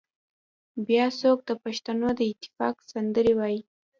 بيا څوک د پښتنو د اتفاق سندرې وايي